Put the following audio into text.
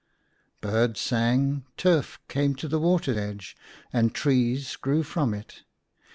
Bird" sang, turf came to the water edge, and trees grew from it.